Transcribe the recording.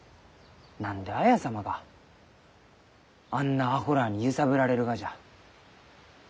何で綾様があんなアホらあに揺さぶられるがじゃ？